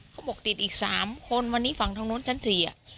เขาบอกติดอีกสามคนวันนี้ฝั่งทางนู้นชั้นสี่อ่ะ